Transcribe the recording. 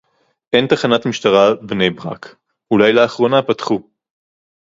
אין תחנת משטרה בני-ברק; אולי לאחרונה פתחו